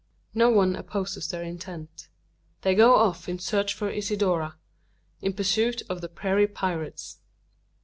No one opposes their intent. They go off in search of Isidora in pursuit of the prairie pirates.